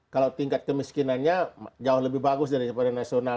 kalau tingkat kemiskinannya jauh lebih bagus daripada nasional